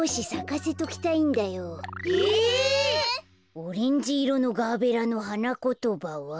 オレンジいろのガーベラのはなことばは。